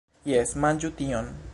Jes! Manĝu tion!